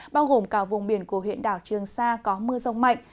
bao gồm cả vùng biển của huyện đảo trường sa có mưa rông mạnh